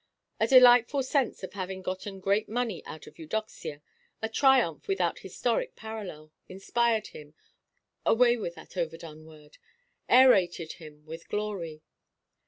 A delightful sense of having gotten great money out of Eudoxia—a triumph without historic parallel—inspired him, away with that overdone word!—aerated him with glory.